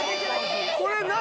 これ何？